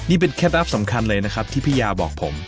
นี่เป็นเคล็ดลับสำคัญเลยนะครับที่พี่ยาบอกผม